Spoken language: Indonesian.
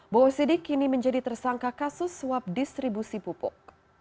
bowo sidik kini menjadi tersangka kasus suap distribusi pupuk